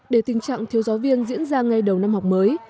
để tình trạng thiếu giáo viên diễn ra ngay đầu năm học mới